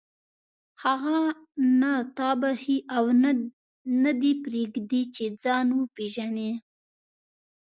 هغه نه تا بخښي او نه دې پرېږدي چې ځان وپېژنې.